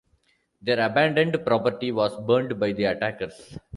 Their abandoned property was burned by the attackers.